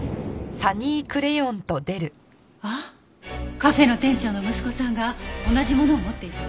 カフェの店長の息子さんが同じものを持っていたわ。